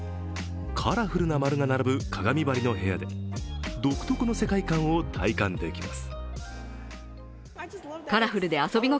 カラフルな丸が並ぶ鏡張りの部屋で独特の世界観を体感できます。